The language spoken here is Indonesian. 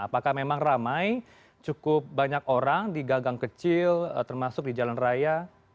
apakah memang ramai cukup banyak orang di gagang kecil termasuk di jalan raya